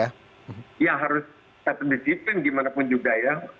ya harus satu digitin gimana pun juga ya